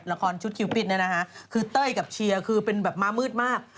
ละครชุดคิวปิดเนี่ยนะคะคือเต้ยกับเชียร์คือเป็นแบบมามืดมาก